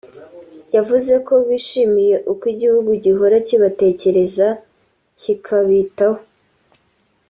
yavuze ko bishimiye uko igihugu gihora kibatekereza kikabitaho